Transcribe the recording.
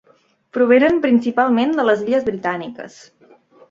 Provenen principalment de les Illes Britàniques.